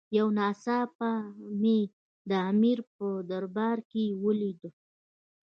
یو ناڅاپه مې د امیر په دربار کې ولید.